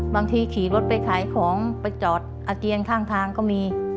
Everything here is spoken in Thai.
บางทีขี่รถไปขายของไปจอดอาเจียงทางก็มี